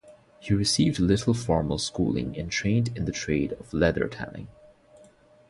He received little formal schooling and trained in the trade of leather tanning.